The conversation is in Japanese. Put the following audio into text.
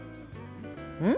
うん？